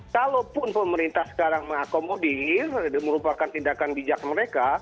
kalaupun pemerintah sekarang mengakomodir merupakan tindakan bijak mereka